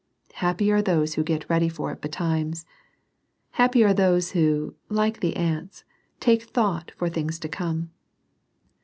Happy are those who get ready for it betimes. Happy are those who, like the ants, take thought for things to come